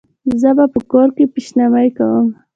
زه به په کور کې پیشمني کوم